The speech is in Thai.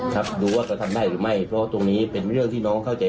ครับดูว่ากระทำได้หรือไม่เพราะตรงนี้เป็นเรื่องที่น้องเข้าใจ